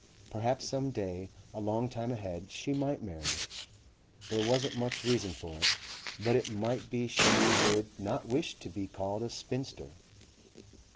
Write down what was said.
Perhaps some day, a long time ahead, she might marry. There wasn't much reason for it, but it might be she would not wish to be called a spinster.